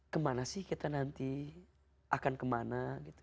kemana sih kita nanti akan kemana gitu